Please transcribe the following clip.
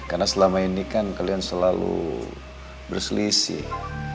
karena selama ini kan kalian selalu berselisih